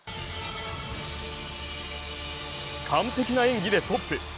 完璧な演技でトップ。